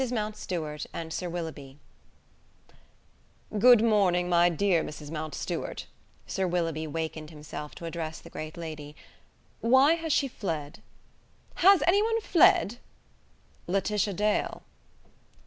MOUNTSTUART AND SIR WILLOUGHBY "Good morning, my dear Mrs. Mountstuart," Sir Willoughby wakened himself to address the great lady. "Why has she fled?" "Has any one fled?" "Laetitia Dale."